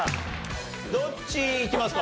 どっちいきますか？